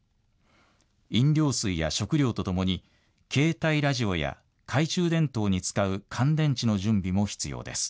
飲料水や食料とともに携帯ラジオや懐中電灯に使う乾電池の準備も必要です。